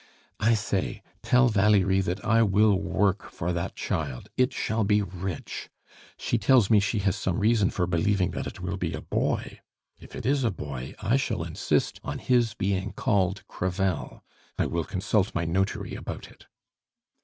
I say tell Valerie that I will work for that child it shall be rich. She tells me she has some reason for believing that it will be a boy! If it is a boy, I shall insist on his being called Crevel. I will consult my notary about it."